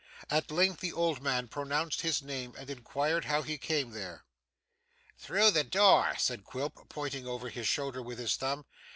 At length, the old man pronounced his name, and inquired how he came there. 'Through the door,' said Quilp pointing over his shoulder with his thumb.